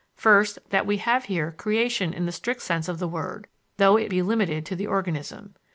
First, that we have here creation in the strict sense of the word, though it be limited to the organism.